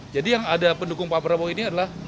jadi yang ada pendukung pak prabowo ini adalah